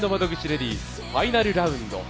レディースファイナルラウンド。